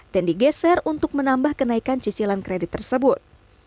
dan digeser untuk menambah kenaikan cicilan kredit tersebut